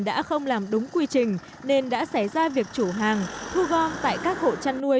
đã không làm đúng quy trình nên đã xảy ra việc chủ hàng thu gom tại các hộ chăn nuôi